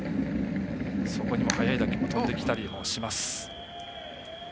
そこにも速い打球が飛んできたりもします。